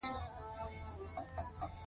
زه وم یو لاروی؛ تر ډيرو ورته تم شوم